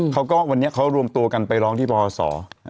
เขาก็วันนี้เขารวมตัวกันไปร้องที่บรส